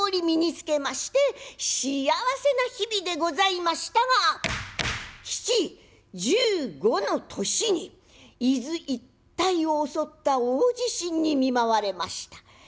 身につけまして幸せな日々でございましたがきち１５の年に伊豆一帯を襲った大地震に見舞われました。